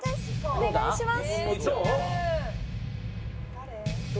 お願いします！